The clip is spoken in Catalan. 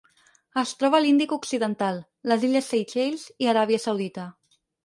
Es troba a l'Índic occidental: les illes Seychelles i Aràbia Saudita.